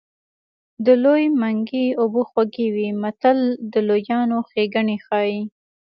د لوی منګي اوبه خوږې وي متل د لویانو ښېګڼې ښيي